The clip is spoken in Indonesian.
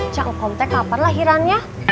cangkom teh kapan lahirannya